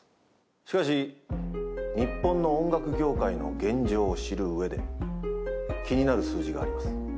しかし日本の音楽業界の現状を知る上で気になる数字があります。